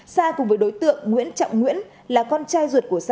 sa cùng với đối tượng nguyễn trọng nguyễn là con trai